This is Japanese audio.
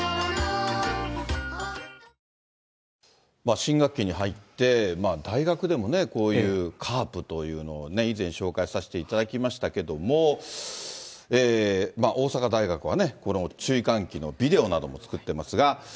新学期に入って、大学でもね、こういうカープというのを、以前、紹介させていただきましたけれども、大阪大学はね、この注意喚起のビデオなども作ってますが。